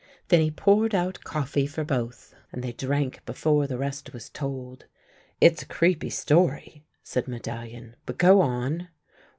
Then he poured out coffee for both, and they drank before the rest was told. ;." It's a creepy story," said Medallion, " but go on."